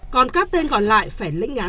còn các tên còn lại phải lĩnh án